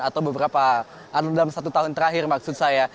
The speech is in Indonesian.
atau beberapa dalam satu tahun terakhir maksud saya